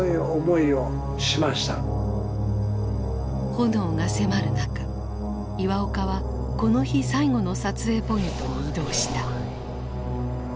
炎が迫る中岩岡はこの日最後の撮影ポイントに移動した。